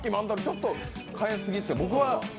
ちょっと変えすぎです。